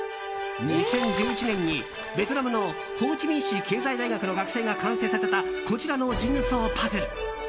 ２０１１年に、ベトナムのホーチミン市経済大学の学生が完成させたこちらのジグソーパズル。